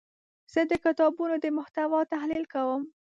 زه د کتابونو د محتوا تحلیل کوم.